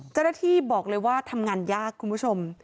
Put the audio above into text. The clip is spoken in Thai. เจ้าหน้าที่บอกเลยว่าทำงานยากคุณผู้ชม